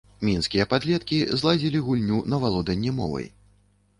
Мінскія падлеткі зладзілі гульню на валоданне мовай.